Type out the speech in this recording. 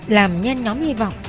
làm nhanh nhóm hy vọng